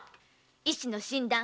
医師の診断